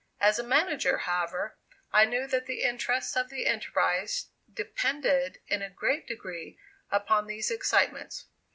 As a manager, however, I knew that the interests of the enterprise depended in a great degree upon these excitements.